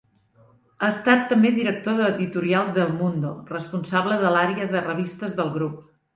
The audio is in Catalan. Ha estat també director editorial d'El Mundo, responsable de l'àrea de revistes del grup.